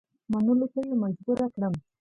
منلو ته مجبور کړم.